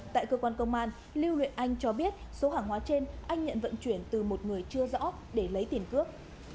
tại cơ quan công an lưu huyện anh cho biết số hàng hóa trên anh nhận vận chuyển từ một người chưa rõ để lấy tiền cước